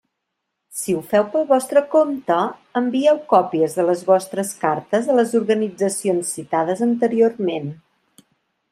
Si ho feu pel vostre compte, envieu còpies de les vostres cartes a les organitzacions citades anteriorment.